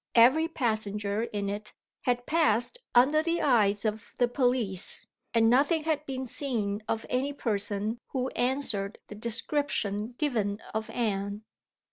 Every passenger in it had passed under the eyes of the police, and nothing had been seen of any person who answered the description given of Anne!